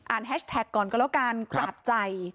อ่านแฮชแท็กก่อนก็แล้วกราบใจ